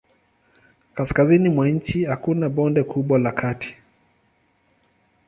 Kaskazini mwa nchi hakuna bonde kubwa la kati.